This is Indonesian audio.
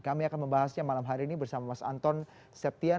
kami akan membahasnya malam hari ini bersama mas anton septian